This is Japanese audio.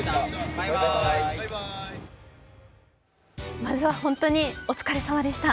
まずは本当にお疲れさまでした。